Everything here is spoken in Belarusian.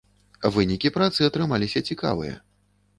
Вынікі працы атрымаліся цікавыя.